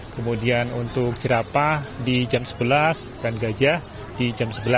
kemudian untuk jerapah di jam sebelas dan gajah di jam sebelas